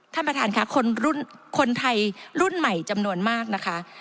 ท่านประธานค่ะคนไทยรุ่นใหม่จำนวนมากนะคะ